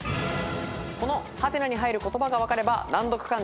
この「？」に入る言葉が分かれば難読漢字が読めるはず。